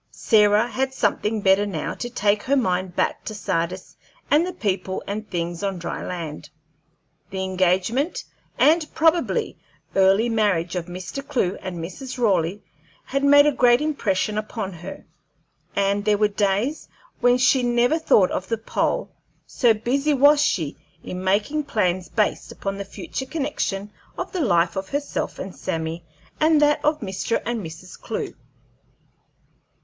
Sarah had something better now to take her mind back to Sardis and the people and things on dry land. The engagement and probably early marriage of Mr. Clewe and Mrs. Raleigh had made a great impression upon her, and there were days when she never thought of the pole, so busy was she in making plans based upon the future connection of the life of herself and Sammy and that of Mr. and Mrs. Clewe.